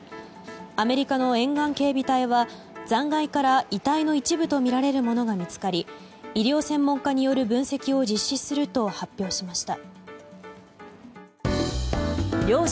アメリカの沿岸警備隊は残骸から遺体の一部とみられるものが見つかり医療専門家による分析を実施すると発表しました。